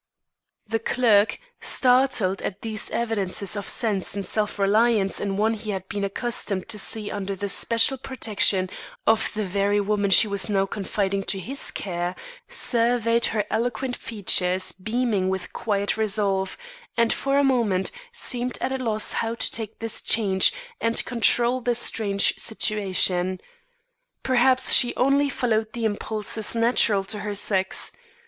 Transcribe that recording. The clerk, startled at these evidences of sense and self reliance in one he had been accustomed to see under the special protection of the very woman she was now confiding to his care, surveyed her eloquent features beaming with quiet resolve, and for a moment seemed at a loss how to take this change and control the strange situation. Perhaps she understood him, perhaps she only followed the impulses natural to her sex.